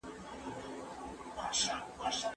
که ټولنه منظمه وي نو پرمختګ کوي.